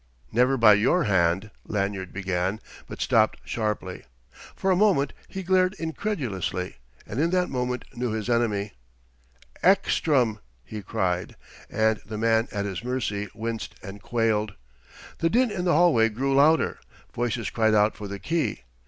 "Never by your hand " Lanyard began, but stopped sharply. For a moment he glared incredulously, and in that moment knew his enemy. "Ekstrom!" he cried; and the man at his mercy winced and quailed. The din in the hallway grew louder. Voices cried out for the key.